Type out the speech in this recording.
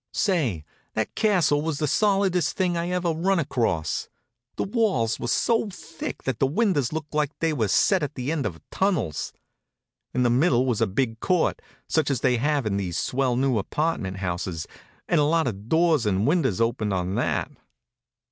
Say, that castle was the solidest thing I ever run across. The walls were so thick that the windows looked like they were set at the end of tunnels. In the middle was a big court, such as they have in these swell new apartment houses, and a lot of doors and windows opened on that.